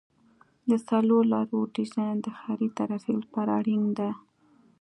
د څلور لارو ډیزاین د ښاري ترافیک لپاره اړین دی